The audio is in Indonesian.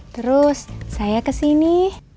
terus saya kesini